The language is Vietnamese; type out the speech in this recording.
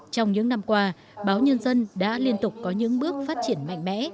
trong những năm qua báo nhân dân đã liên tục có những bước phát triển mạnh mẽ